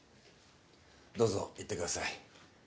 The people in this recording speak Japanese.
どうぞ行ってください。